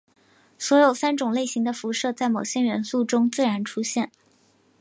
所有三种类型的辐射在某些元素中自然出现。